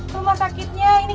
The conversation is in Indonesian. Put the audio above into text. rumah sakitnya ini